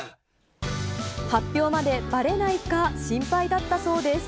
発表までばれないか心配だったそうです。